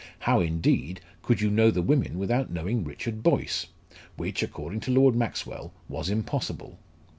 How, indeed, could you know the women without knowing Richard Boyce? which, according to Lord Maxwell, was impossible.